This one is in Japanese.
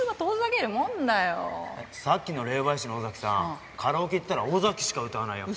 さっきの霊媒師の尾崎さんカラオケ行ったら尾崎しか歌わないよ。